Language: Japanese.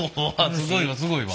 すごいわすごいわ。